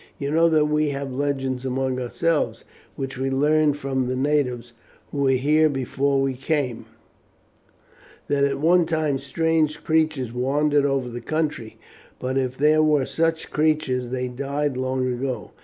"You know that we have legends among ourselves, which we learned from the natives who were here before we came, that at one time strange creatures wandered over the country; but if there were such creatures they died long ago.